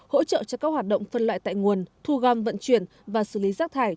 hỗ trợ cho các hoạt động phân loại tại nguồn thu gom vận chuyển và xử lý rác thải